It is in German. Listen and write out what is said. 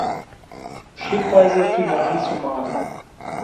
Schrittweise fing er an zu malen.